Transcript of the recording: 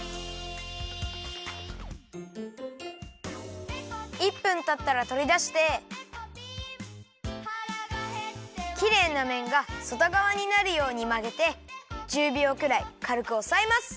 「チャージ」１分たったらとりだしてきれいなめんがそとがわになるようにまげて１０びょうくらいかるくおさえます！